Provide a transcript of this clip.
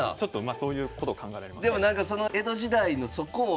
そういうことを考えられますね。